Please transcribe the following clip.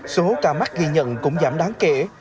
số ca mắc ghi nhận cũng giảm đáng kể